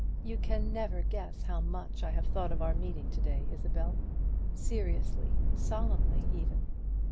You can never guess how much I have thought of our meeting to day, Isabel: seriously; solemnly even.